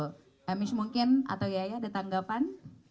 hemish mungkin atau yaya ada tanggapan